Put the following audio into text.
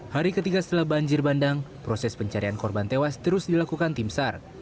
hari ketiga setelah banjir bandang proses pencarian korban tewas terus dilakukan tim sar